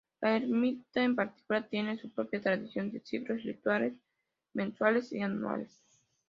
La ermita en particular tiene su propia tradición de ciclos rituales mensuales y anuales.